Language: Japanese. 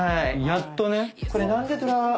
やっとね。